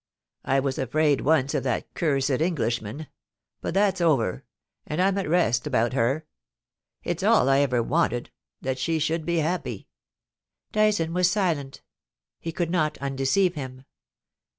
I was afraid once of that cursed Englishman ; but that's over, and I'm at rest about her. It's all I've ever wanted — that she should be happy,' Dyson was silent ; he could not undeceive him.